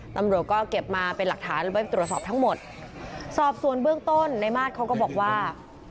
ตำรวจก็เก็บมาเป็นหลักฐานแล้วไปตรวจสอบทั้งหมดสอบส่วนเบื้องต้นในมาตรเขาก็บอกว่า